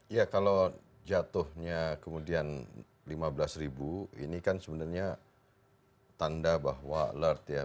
ya kalau jatuhnya kemudian lima belas ribu ini kan sebenarnya tanda bahwa alert ya